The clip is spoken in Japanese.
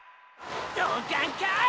どかんかい！